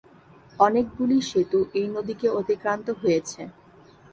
অনেকগুলি সেতু এই নদীকে অতিক্রান্ত হয়েছে।